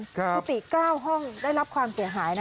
กุฏิ๙ห้องได้รับความเสียหายนะ